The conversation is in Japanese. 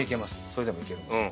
それでもいけるんです。